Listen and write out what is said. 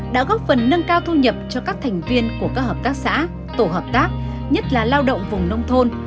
đã góp phần nâng cao thu nhập cho các thành viên của các hợp tác xã tổ hợp tác nhất là lao động vùng nông thôn